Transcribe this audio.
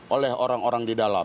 oleh orang orang di dalam